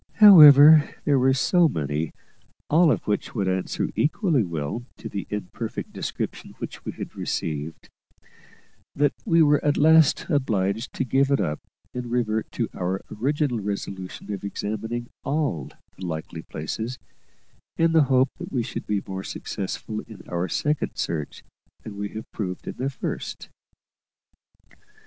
However, there were so many, all of which would answer equally well to the imperfect description which we had received, that we were at last obliged to give it up and revert to our original resolution of examining all the likely places, in the hope that we should be more successful in our second search than we had proved in our first.